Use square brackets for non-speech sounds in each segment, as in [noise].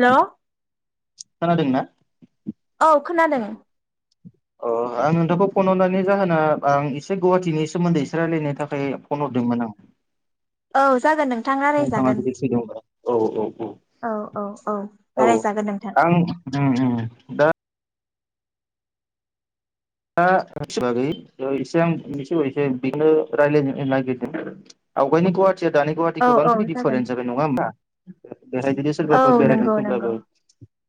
हेल'? खोनादोंना? औ खोनादों । अ आं नोंथांखौ फन हरनायनि जाहोना आं एसे गुवाहाटिनि सोमोन्दै एसे रायलायनो थाखाय फन हरदोंमोन आं । औ जागोन नों नोंथाङा जुदि फ्रि दंबा औ औ [inaudible] औ औ औ औ रायलायजागोन नोंथां आं ओम ओम दा दा [unintelligible] बागै एसे आं एसे एसे बेखौनो रायलायनो नागिरदों आवगायनि गुवा हाटि दानि गुवाहाटि औ औ गोबांखिनि जागोन दिफारेन्स जाबाय नङा होम्बा? [inaudible] बेहाय जुदि औ सोरबाफोर बेरायनो नंगौ नंगौ फैब्लाबो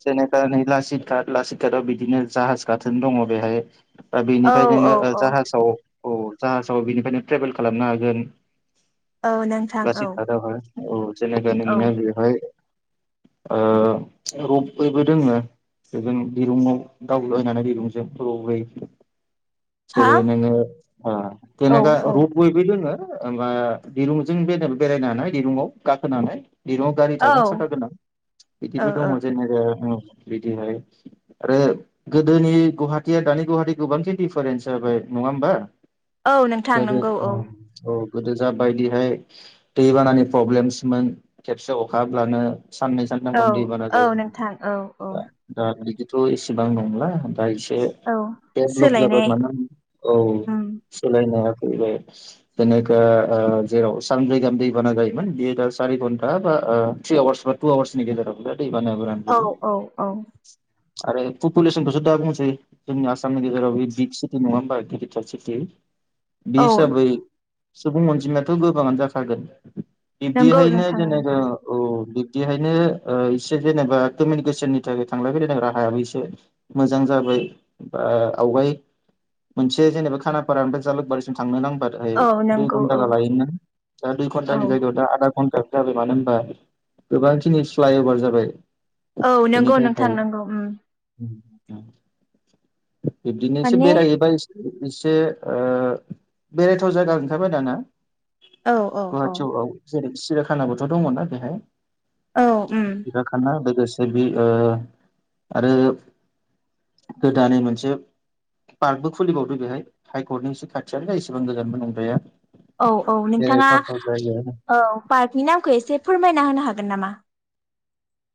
जेनेबा नै लासितघात लासितघाताव बिदिनो जाहाज गाथोन दङ बेहाय दा औ बेनिफ्राय नोङो औ ओ औ जाहाजाव औ जाहाजाव बेनिफ्रायनो ट्रेभेल खालामनो हागोन औ । [inaudible] नोंथां ला औ खादा अ जेनबा औ [unintelligible] बेवहाय ओ रबैबो दोङो बेजों दिरुंआव दावलायनानै दिरुंजों रबै हा जेरै नोङो ओ [unintelligible] औ औ होमबा दिरुंजों बेराय बेरायनो हानाय दिरुंआव गाखोनानै। दिरुंआव गारि ओ थागोन साखा गोनां बिदिबो दङ ओ जेनेबा बिदिहाय आरो गोदोनि गुवाहाटिया दानि गुवाहाटि गोबां जे डिफारेन्स जाबाय नङा होमबा? औ नोंथां नंगौ औ । औ गोदो जा बायदिहाय दैबानानि प्रब्लेम्समोन खेबसे अखा हाब्लानो साननै सानथाम औ गाहाम दै बाना औ जायोमोन नोंथां औ औ दा दा बिदि थ' इसेबां नंला दा इसे औ । डेबल'ब जाबाय [unintelligible] औ सोलाय जाना फैबाय जेनेक'वा ओ जेराव सानब्रै गाहाम दैबाना जायोमोन बियो दा सारि घन्टा बा ओ थ्रि आवारस बा टु आवारसनि गेजेरावल' जा औ औ औ। आरो पुपलेसनखौ दा बुंसै जोंनि आसाम गेजेराव बिग सिटि नङा होनबा गिदिरथार सिटि। बे औ हिसाबै सुबुं अनजिमायाथ' गोबाङानो जाखागोन। बिदि नंगौ हायनो नोंथां जेनाबा नंगौ औ। बिदिहायनो इसे जेनेबा कमिउनिकेसननि थाखाय थांलाय फैलायनि राहायाबो एसे मोजां जाबाय। बा आवगाय मोनसे जेनेबा खानापारा ओमफ्राय जालुकबारिसिम थांनो नां बाथाय औ दुइ नंगौ घन्टा औ लायोमोन दा दुइ औ घन्टानि जायगायाव दा आदा घन्टा जाबाय मानो होनबा गोबांखिनि फ्लाइअभार जाबाय। औ बेनि नंगौ नोंथां थाखाय नंगौ ओम। बिब्दिनो एसे माने बेरायहैबाय एसे एसे ओ बेरायथाव जायगा ओंखारबाय दाना औ औ औ। गुवाहाटियाव जेरै सिरिखानाबोथ' दङना बेहाय। औ उम सिरियाखाना लोगोसे ओ बे आरो गो दानै मोनसे पार्कबो खुलिबावदो बेहाय हाइकर्टनि एसे खाथिया एसेबां गोजानबो नंद्राया। औ औ नोंथाङा बेरायथावथाव जायगायानो औ पार्कनि नामखौ एसे फोरमायना होनो हागोन नामा?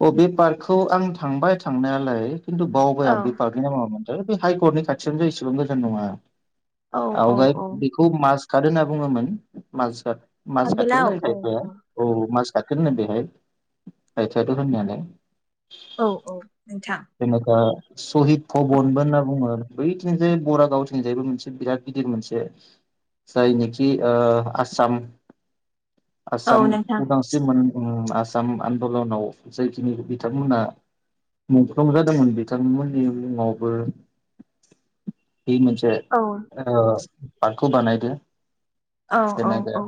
अ बे पार्कखौ आं थांबाय थांनायालाय खिनथु बावबाय औ आं बे पार्कनि नामा है बे हाइकर्टनि खाथियावनो जायो इसेबां गोजान नङा। औ औ आवगाय औ बेखौ मास खार होनना बुङोमोन मालसार आगोलाव मासबाटखोनो औ होनखायो बे औ औ मास साखोननो बेहाय ओस बेथ' होननायानो औ औ नोंथां बेनोखा सहिद भबनबो होनना बुंङो बैथिंजाय बरागावथिंजायबो मोनसे बिराद गिदिर मोनसे जायनिखि ओ आसाम औ आसाम नोंथां उदांस्रिमोन। उम आसाम आन्दलनाव जायखिनि बिथांमोनहा मुंख्लं जादोंमोन बिथांमोननि मुंङावबो बे मोनसे औ ओस पार्कखौ बानायदों। औ औ औ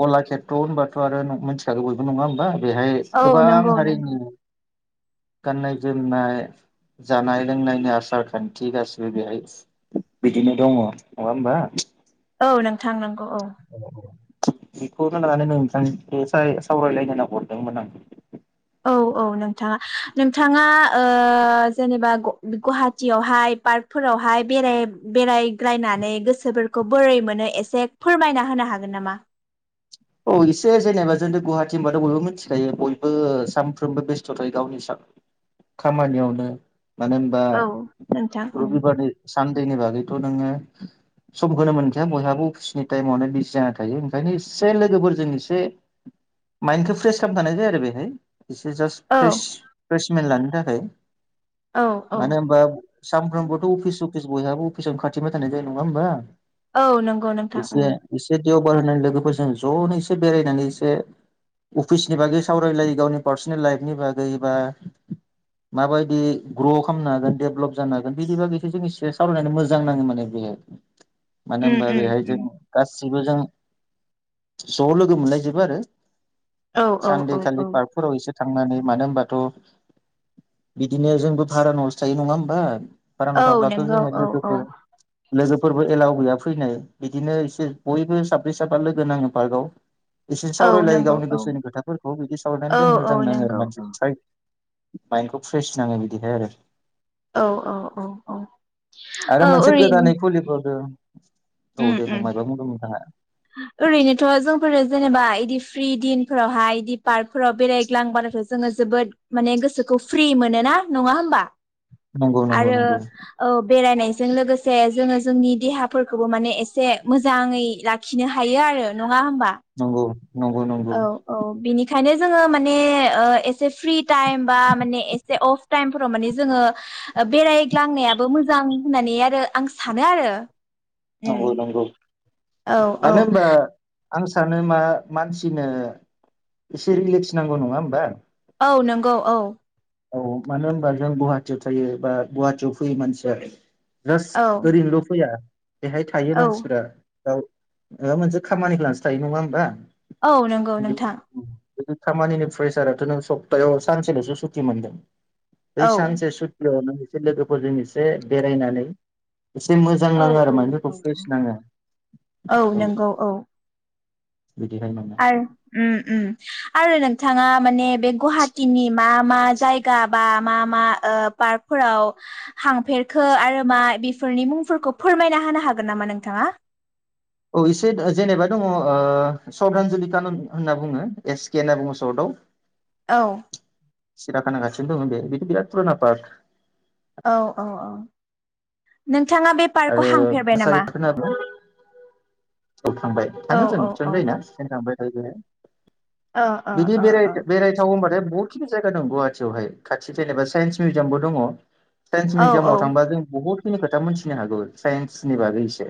कलाखेत्र' होनबाथ' आरो नं मोनथिखागौ बयबो नङा होमबा बेहाय औ गोबां नोंगौ नोंगौ। हारिनि गाननाय जोमनाय जानाय लोंनायनि आसार खान्थि गासिबो बेहाय बिदिनो दङ नङा होमबा? औ नोंथां नों [unintelligible] बेखौनो लानानै नोंथांनिसिम सावराय सावरायलायनो होनना हरदोंमोन आं। औ औ नोंथाङा नोंथाङा ओ जेनेबा ग गवाहाटियावहाय पार्कफोरावहाय बेराय बेरायग्रायनानै गोसोफोरखौ बोरै मोनो एसे फोरमायना होनो हागोन नामा? औ एसे जेनेबा जोंथ' गुवाहाटि होनबाथ' बयबो मिथिखायो बयबो सानफ्रोमबो बेस्थ' थायो गावनि सा खामानियावनो। मानो होनबा औ नोंथां उम रबिबारनि सानदेनि बागै थ' नोङो सम होनो मोनखाया बयहाबो अफिसनि टाइमावनो बिजि जानानै थायो ओंखायनो इस से लोगोफोरजों एसे माइन्डखौ फ्रेस खालामनो थांनाय जायो आरो बेहाय। एसे जास्ट औ फ्रेस फ्रेस मेन्ड लानो। थाखाय औ औ मानो होनबा सानफ्रोमबोथ' अफिस अकिस बयहाबो अफिसाव खाथिबाय थानाय जायो नङा होमबा? औ नंगौ नोंथां उम एसे एसे देवबार होन्नानै लोगोफोरजों स ज'नो इसे बेरायनानै एसे अफिसनि बागै सावरायलायो गावनि पार्सनेल लाइफनि बागै बा माबायदि ग्र' खामनो हागोन डेभलप जानो हागोन बिनि बागैसे जों एसे सावरायनानै मोजां नाङो माने बेहाय। मानो उम होनबा उम बेहाय जों उम गास सिबो जों ज' लोगो मोनलायजोबो आरो औ औ औ सानदे खालि औ पार्कफोराव एसे थांनानै मानो होनबाथ' बिदिनो जोंबो भारा न'सो थायो नङा ओमबा? औ नंगौ औ औ लोगोफोरबो एलाव गैया फैनो बिदिनो एसे बयबो साब्रै साबा लोग गोनां पार्कआव इसे औ सावरायलायो नंगौ गावनि औ गोसोनि खोथाफोरखौ बिदि सावरायनानै औ जों मोजां औ नाङो आरो नंगौ मानसि औ फ्राय माइन्डखौ फ्रेस नाङो बिदिहाय आरो औ औ औ आरो औ मोनसे ओरैनो गोदानै खुलिबावदों। औ उम दे उम मायबा बुंदों नोंथाङा? ओरैनोथ' जोंफोरो जेनेबा इक दिफ्रि दिनफोरावहाय इदि पार्कफोराव बेरायग्लांबानोथाव जोङो जोबोद माने गोसोखौ फ्रि मोनो ना नङा होमबा? नंगौ नंगौ आरो नंगौ औ बेरायनायस जों लोगोसे जोङो जोंनि देहाफोरखौ मानसे मोजाङै लाख खिनो हायो आरो न नङा होमबा? नंगौ नंगौ औ नंगौ औ बिनिखायनो जोङो माने ओ एस से फ्रि टाइम बा माने एसे अफ टाइम। टाइमफोराव माने जोङो ओ बेरायग्लांनायाबो मोजां होननानै आरो आं सानो आरो। नंगौ उम नंगौ। औ मानो औ। होनबा आं सानो मा मानसिनो इसे रिलेक्स नांगौ नङा ओमबा? औ नंगौ औ। औ मानो होनबा जों गुवाहाटियाव थायो बा गुवाहाटियाव फैयो मानसिया। जास औ ओरैनोल' फैया। बेहाय थायो औ मानसिफ्रा। [unintelligible] माबा मोनसे खामानिखौ लानानैसो थायो नङा ओमबा? औ नंगौ नोंथां। बिदि खामानिनि प्रेसाराथ नों सप्तायाव सानसेलसो सुत थि मोन्दों। बै औ सानसे सुथ यावनो इसे लोगोफोरजों इसे बेरायनानै। इसे मोजां औ नाङो आरो औ माइन्दफोरखौ औ फ्रेस नाङो औ। नंगौ औ बिदिहाय माने आरो उम उम आरो। नोंथांआ माने। बे गुवाहाटिनि मा। मा जायगा बा मा मा पार्कफोराव थांफेरखो आरो मा बेफोरनि मुंफोरखौ फोरमायना होनो हागोन नामा नोंथाङा। औ इसे जेनेबा दङ ओ सतानजुलि कानुन होनना बुङो एस केे होनना बुङो सर्टआव। औ। सिराखाना खाना खाथियावनो दं बेबो बिराद फुराना पार्क। औ औ औ नोंथां। थाङा बे पार्कखौ आरो थांफेरबाय नामा? कसारि पार्क होनना बुङो औ थांबाय औ थाङो जों औ औ खाथियानो जायोना। [unintelligible] ओ ओ बिदि ओ औ बेराय बेरायथाव होनबाथाय बुहुत। बेखिनि जायगा दं गुवाहाटियावहाय खाथि जेनेबा साइन्स मिउजियामबो दङ। साइन्स मिउजियामाव थांबा जों बुहुत। खिनि खोथा मिथिनो हागौ साइन्सनि बागै एसे।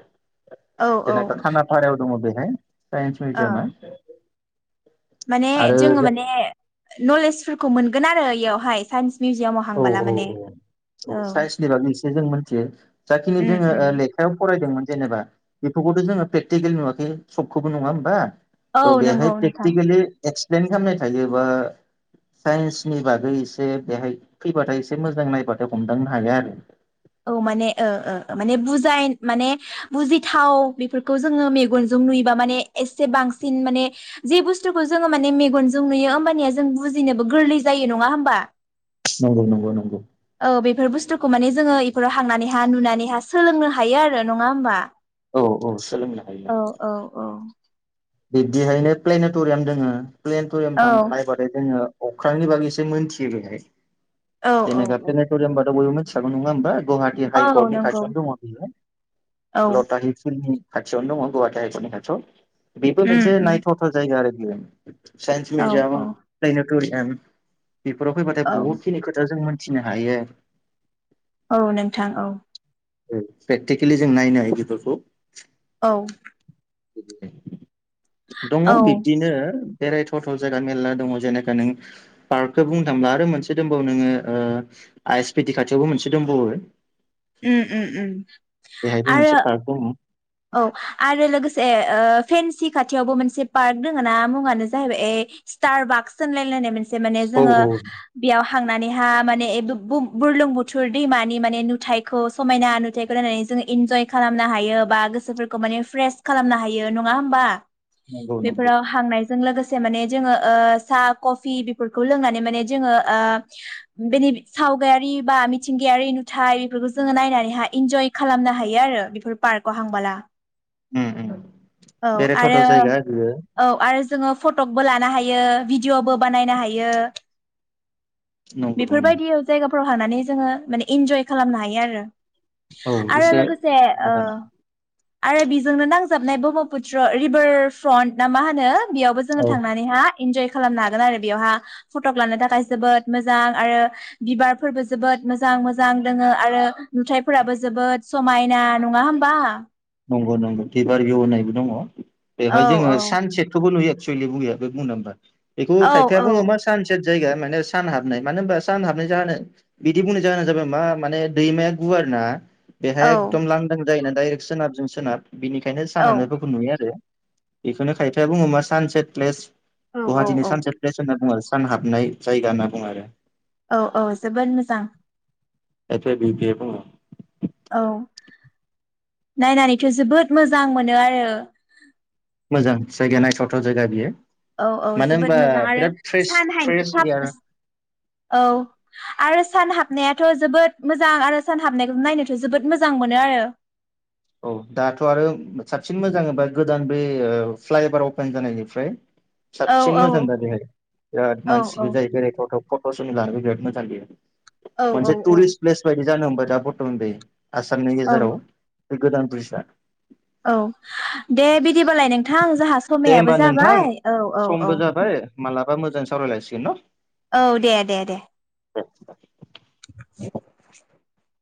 औ औ खाना फारायाव दं बेहाय साइन्स ओ मिउजियामा माने आरो जोङो माने नलेजफोरखौ मोनगोन आरो यावहाय साइन्स मिउजियामाव औ हांबोला औ माने औ औ साइन्सनि बागै जों मोनथि जाखिनि उम जोङो उम ओ लेखायाव फरायदोंमोन जेनेबा बेखौबोथ' जोङो प्रेकटिकेल नुवाखै सबखौबो नङा होमबा औ त' नंगौ बेहाय नोंथां प्रेक्टिकलि एक्सप्लेन खालामनाय थायोबा साइन्सनि बागै एसे बेहाय फैबाथाय एसे मोजां नायबाथाय हमदांनो हायो आरो औ माने माने ओ ओ बुजाय माने बुजिथाव बेफोरखौ जोङो मेगनजों नुयोबा माने एसे बांसिन माने जे बुस्थुखौ जोङो माने मेगनजों नुयो होमबानिया जों बुजिनोबो गोरलै जायो नङा होमबा नंगौ नंगौ नंगौ औ बेफोर बुस्थुखौ माने जोङो इफोराव हांनानैहा नुनानैहा सोलोंनो हायो आरो नङा होमबा औ औ सोलोंनो हायो औ न औ औ बिब्दिहायनो प्लेनट'रियाम दोङो प्लेन'टरियाम औ थां नायबाथाय जोङो अख्रांनि बागैसो मोनथियो बेहाय औ [unintelligible] औ सागु नङा होनबा गुवाहाटि औ औ हाइकर्टनि नंगौ खाथियावनो दङ बियो औ [unintelligible] खाथियावनो दंङ गुवाहाटी हाय कत नि खाथियाव बेबो उम मोनसे उम नायथावथाव जायगा आरो [unintelligible] साइन्स औ मिउजियाम औ [unintelligible] थुरियाम बेफोराव फैबाथाय औ बहुदखिनि खोथा जों मोन थिनो हायो। औ नोंथां औ ओ प्रेकटिकेलि जों नायनो हायो बेफोरखौ। औ [unintelligible] दङ औ बिब्दिनो बेरायथाव थाव जायगा मेरला दङ जेनेखा नों पार्कखौ बुंनो थांब्ला आरो मोनसे दंबावो नोङो ओ आइ एस पि ड खाथियावबो मोनसे दंबावो उम उम उम बेहायबो मोनसे आरो पार्क दङ औ आरो लोगोसे ओ फेनसि खाथियावबो मोनसे पार्क दोंङ ना मुङानो जाहैबाय ए स्टार बार्कस होनलायलायनाय मोन से माने औ जोङो औ बेयाव खांनानैहा माने ए बु-बु-बुरलुंबुथुर दैमानि माने नुथथायखौ समायना नुथायाइखौ नायनानै जों इन्जय खालामनो हायो बा गो सोफोरखौ माने फ्रेस खालामनो हायो नङा होमबा नंगौ नंगौ बेफोराव हांनाय जों लोगोसे माने जोंङो ओ साहा कफि बेफोरखौ लोंनानै माने जोंङो ओ बेनि सावगायारि बा मिथिंगायारि नुथायाइ बेफोरखौ जोङो नायनानैहा इन्जय खालामनो हायो आरो बेफोर पार्कआव हांबोला। ओम ओम औ आरो औ आरो जोंङो फटकबो लानो हायो भिडिअ'बो बानायनो हायो। नंगौ बेफोरबायदियाव जायगा फोराव हांनानै जोङो माने इन्जय खालामनो हायो आरो। औ आरो एसे लोगोसे ओ मोजां आरो बिजोंनो नांजाबनाय ब्रह्मपुत्र रिभार फ्रन्ट ना मा होनो बेयावबो जोङो औ थांनानैहाय इन्जय खालामनो हागोन आरो बेवहा फट'क लानो थाखाय जोबोद मोजां आरो बिबारफोरबो जोबोद मोजां मोजां दोङो आरो नुथायाइफोराबो जोबोद समायना नंङा होमबा नंगौ नंगौ बिबार बिव होननायबो दङ। औ बेवहाय जोंङो औ सानसेटखौबो नुयो [unintelligible] बेखौ औ खायफाया बुङो मा सानसेट जायगा माने सान हाबनाय मानो होनोमबा सान हाबनाय जाहोन बिदि बुंनाय जाहोना जाबाय मा माने दैमाया गुवार ना। औ बेहाय एकदम लांदां जायोना डाइरेक सोनाब जों सोनाब बिनिखायनो सानहाबनायफोरखौ नुयो आरो। बेखौनो खायफाया बुङोम मा सानसेट प्लेस औ औ गुवाहाटीनि औ सानसेट फ्लेस होननानै बुंङो आरो सान हाबनाय जायगा होनना बुङो आरो। औ औ जोबोर मोजां खायफा बि पि बुंङो। औ नायनानैथ' जोबोद मोजां मोनो आरो। मोजां जायगाया नायथाव थाव जायगा बियो औ औ मानो होनबा जोबोद मोजां आरो बिराद फ्रेस सान हाय फ्रेस थाब एयार औ आरो सान हाब हाबनायाथ' जोबोद मोजां आरो सान हाबनायखौ नायनोथ' जोबोद मोजां मोनो आरो। औ दाथ' आरो साबसिन मोजां होमबा गोदान बे ओ फ्लाइअभार अपेन जानायनिफ्राय औ साबसिन औ मोजां दा बेहाय बिराद औ औ मानसिबो जायो बेरायथाव थाव फट'सुनि लानोबो बिराद मोजांबियो औ । मोनसे औ टुरिस प्लेस बायदि जानोब जा पुट [unintelligible] आसामनि औ गेजेराव बे गोदान ब्रिसा औ दे बिदिबालाय नोंथां जोंहा दे समायाबो होमबा नोंथां जाबाय औ औ औ। समबो जाबाय मालाबा मोजां सावरायलायसिगन न' औ दे दे दे [unintelligible] [unintelligible]